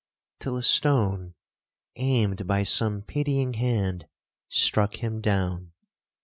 till a stone, aimed by some pitying hand, struck him down.